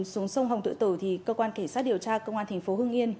xuống sông hồng tự tử thì cơ quan kể sát điều tra công an tp hương yên